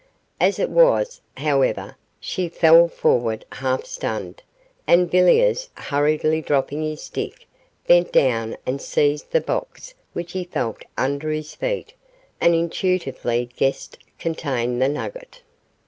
As it was, however, she fell forward half stunned, and Villiers, hurriedly dropping his stick, bent down and seized the box which he felt under his feet and intuitively guessed contained the nugget.